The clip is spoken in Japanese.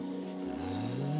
うん。